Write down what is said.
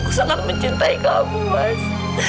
aku sangat mencintai kamu mas